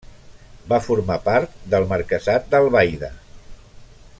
Va formar part del marquesat d'Albaida.